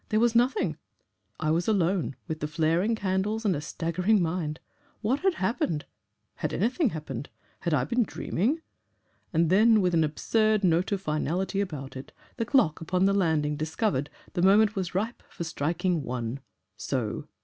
There was nothing, I was alone, with the flaring candles and a staggering mind. What had happened? Had anything happened? Had I been dreaming?... And then, with an absurd note of finality about it, the clock upon the landing discovered the moment was ripe for striking ONE. So!